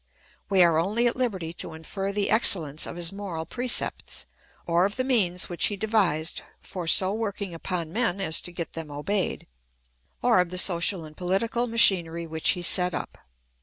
We are only at liberty to infer the excellence of his moral precepts, or of the means which he devised for so working upon men as so get them obeyed, or of the social and political machinery which he set up.